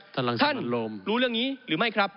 ท่านรู้เรื่องนี้หรือไม่ครับ